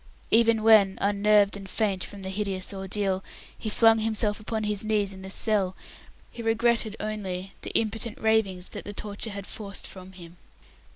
Even when, unnerved and faint from the hideous ordeal, he flung himself upon his knees in the cell, he regretted only the impotent ravings that the torture had forced from him.